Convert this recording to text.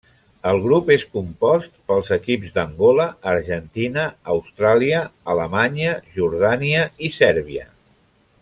El grup és compost pels equips d'Angola, Argentina, Austràlia, Alemanya, Jordània i Sèrbia.